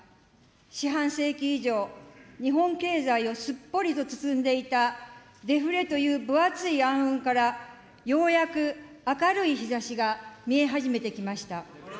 四半世紀以上、日本経済をすっぽりと包んでいたデフレという分厚い暗雲から、ようやく明るい日ざしが見え始めてきました。